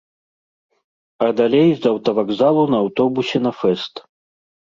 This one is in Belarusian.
А далей з аўтавакзалу на аўтобусе на фэст.